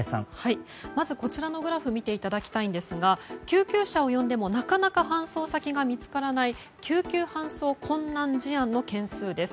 まず、こちらのグラフを見ていただきたいんですが救急車を呼んでもなかなか搬送先が見つからない救急搬送困難事案の件数です。